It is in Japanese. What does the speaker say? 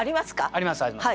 ありますあります